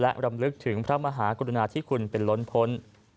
และรำลึกถึงพระมหากรุณาธิคุณเป็นล้นพ้น